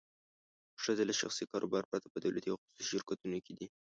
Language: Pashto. ښځې له شخصي کاروبار پرته په دولتي او خصوصي شرکتونو کې دي.